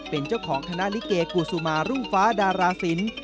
เป็นเจ้าของคณะลิเกกูซูมารุ่งฟ้าดาราศิลป์